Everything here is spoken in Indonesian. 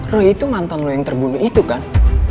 roh itu mantan lo yang terbunuh itu kan